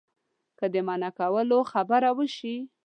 که د منع کولو خبره وشي.